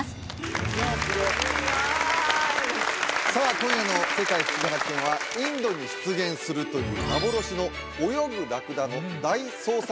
今夜の「世界ふしぎ発見！」はインドに出現するという幻の泳ぐラクダの大捜索